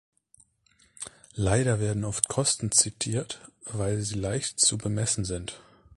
Leider werden oft Kosten zitiert, weil sie leicht zu bemessen sind.